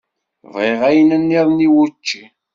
Bɣiɣ ayen-nniḍen i wučči.